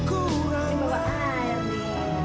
terima kasih pak